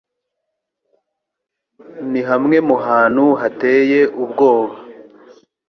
ni hamwe mu hantu hateye ubwoba